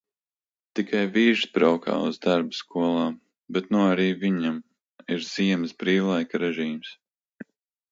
Tikai vīrs braukā uz darbu skolā, bet nu arī viņam ir ziemas brīvlaika režīms.